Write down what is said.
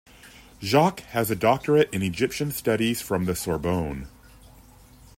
Jacq has a doctorate in Egyptian Studies from the Sorbonne.